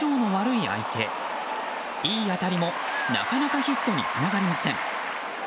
いい当たりもなかなかヒットにつながりません。